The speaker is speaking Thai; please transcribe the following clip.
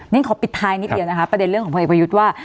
นี่ขอปิดท้ายนิดเดียวนะคะประเด็นเรื่องของพลเอกประยุทธ์ว่า